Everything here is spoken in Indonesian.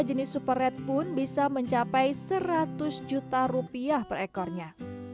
jenis super red pun bisa mencapai seratus juta rupiah per ekornya